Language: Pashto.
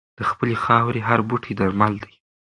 د خپلې خاورې هر بوټی درمل دی.